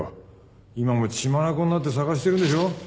今も血眼になって捜してるんでしょう？